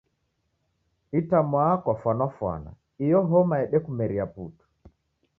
Itamwaa kwafwanafwana iyo homa yedekumeria putu